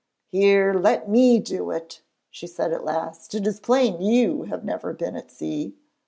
'Here, let me do it,' she said at last; 'it is plain you have never been at sea.'